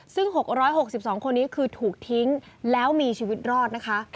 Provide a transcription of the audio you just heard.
ซึ่ง๖๖๒คนนี้คือถูกทิ้งแล้วมีชีวิตรอดนะคะ